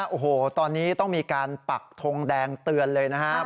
โอ้โหตอนนี้ต้องมีการปักทงแดงเตือนเลยนะครับ